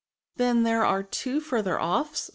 " Then, there are two further offs